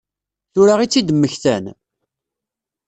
Tura i tt-id-mmektan?